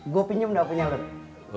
gue pinjem dah apenya lho